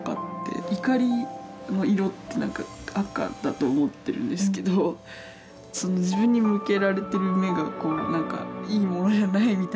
怒りの色って何か赤だと思ってるんですけどその自分に向けられてる目がこう何かいいものじゃないみたいな。